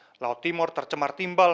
kondisi kondisi kondisi tersebut menunjukkan